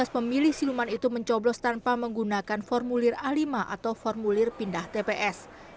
lima belas pemilih siluman itu mencoblos tanpa menggunakan formulir a lima atau formulir pindah tps